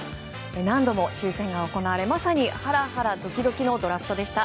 何度も抽選が行われまさにハラハラドキドキのドラフトでした。